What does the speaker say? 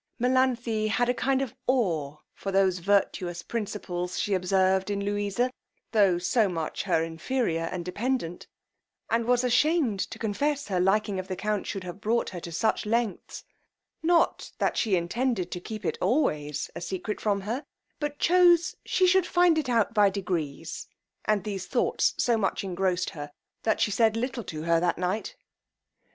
Melanthe had a kind of awe for those virtuous principles she observed in Louisa, tho' so much her inferior and dependant, and was ashamed to confess her liking of the count should have brought her to such lengths; not that she intended to keep it always a secret from her, but chose she should find it out by degrees; and these thoughts so much engrossed her, that she said little to her that night.